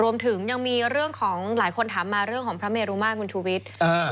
รวมถึงยังมีเรื่องของหลายคนถามมาเรื่องของพระเมรุมาตรคุณชูวิทย์